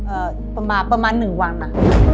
ประมาณประมาณหนึ่งวันน่ะ